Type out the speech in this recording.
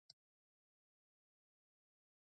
خاوره د افغان کورنیو د دودونو یو مهم عنصر دی.